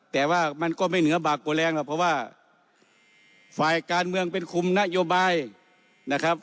แต่ว่ามันก็ไม่เหนือบากกว่าแรงหรอกเพราะว่าฝ่ายการเมืองเป็นคุมนโยบายนะครับ